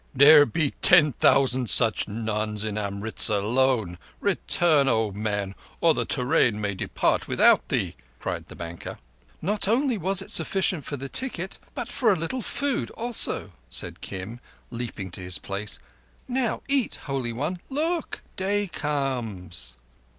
"There be ten thousand such nuns in Amritzar alone. Return, old man, or the te rain may depart without thee," cried the banker. "Not only was it sufficient for the ticket, but for a little food also," said Kim, leaping to his place. "Now eat, Holy One. Look. Day comes!"